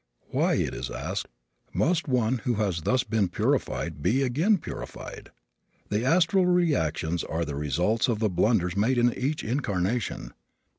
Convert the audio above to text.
Why, it is asked, must one who has thus been purified be again purified? The astral reactions are the results of the blunders made in each incarnation.